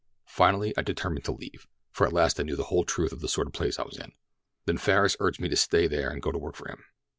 Finally I determined to leave, for at last I knew the whole truth of the sort of place I was in. "Then Farris urged me to stay there and go to work for him.